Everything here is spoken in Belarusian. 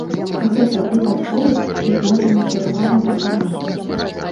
Гэта выпадковасць ці мэтанакіраваная прапаганда?